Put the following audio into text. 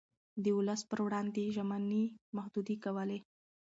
د ولس پر وړاندې يې ژمنې محدودې کولې.